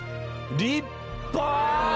立派！